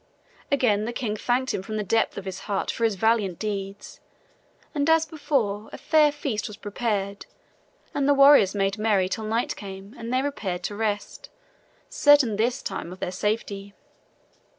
Again the king thanked him from the depth of his heart for his valiant deeds; and as before a fair feast was prepared and the warriors made merry till night came and they repaired to rest, certain this time of their safety.